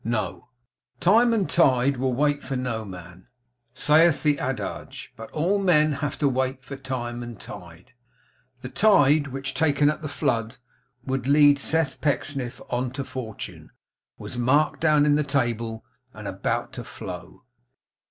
No. Time and tide will wait for no man, saith the adage. But all men have to wait for time and tide. That tide which, taken at the flood, would lead Seth Pecksniff on to fortune, was marked down in the table, and about to flow.